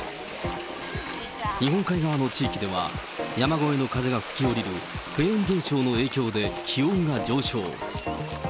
日本海側の地域では、山越えの風が吹き降りるフェーン現象の影響で気温が上昇。